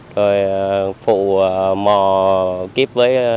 rồi phụ mò kiếp